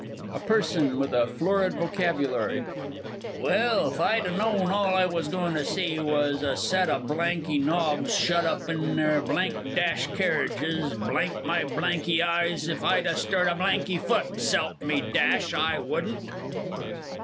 A PERSON WITH A FLORID VOCABULARY. Well, if I'd ha' known all I was goin' to see was a set o' blanky nobs shut up in their blank dash kerridges, blank my blanky eyes if I'd ha' stirred a blanky foot, s'elp me Dash, I wouldn't!